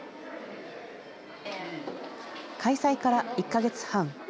開催から１か月半。